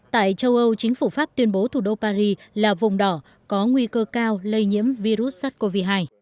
tại châu âu chính phủ pháp tuyên bố thủ đô paris là vùng đỏ có nguy cơ cao lây nhiễm virus sars cov hai